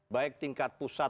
baik tingkat pusat